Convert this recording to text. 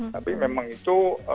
tapi memang itu